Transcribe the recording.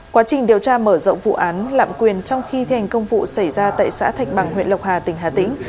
quá trình điều tra mở rộng vụ án lạm quyền trong khi thi hành công vụ xảy ra tại xã thạch bằng huyện lộc hà tỉnh hà tĩnh